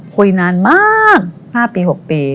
คุยนานมาก๕ปี๖ปี